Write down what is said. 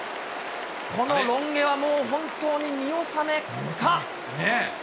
このロン毛はもう本当に見納めか？